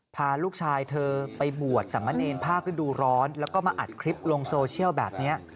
พาลูกชายเธอไปบวชสามเณรภาคฤดูร้อนแล้วก็มาอัดคลิปลงโซเชียลแบบนี้